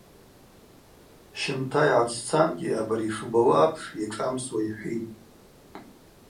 Щымта йгӏатсцангьи абари йшубауа апш йашӏамсуа йхӏвитӏ.